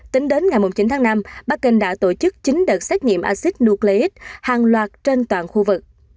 tính đến ngày chín tháng năm bắc kinh đã tổ chức chín đợt xét nghiệm acid nucleic hàng loạt trên toàn khu vực